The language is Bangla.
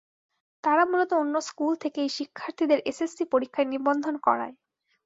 তারা মূলত অন্য স্কুল থেকে এই শিক্ষার্থীদের এসএসসি পরীক্ষায় নিবন্ধন করায়।